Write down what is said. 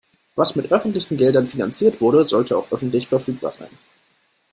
Was mit öffentlichen Geldern finanziert wurde, sollte auch öffentlich verfügbar sein.